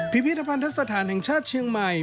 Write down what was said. พิพิธภัณฑ์ทัศนธรรมแห่งชาติเชียงใหม่